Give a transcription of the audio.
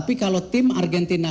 kita udah gimana